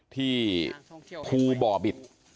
ที่ภูบ่อบิต